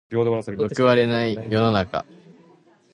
報われない世の中。